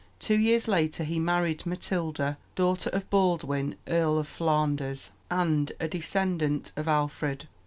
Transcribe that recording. Two years later he married Matilda, daughter of Baldwin, Earl of Flanders, and a descendant of Alfred.